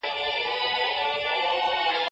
د نزول له وخته تر قيامته پوري خپل دښمنان په چلنجوي.